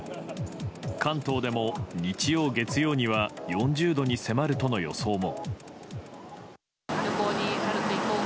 関東でも日曜、月曜には４０度に迫るとの予想も。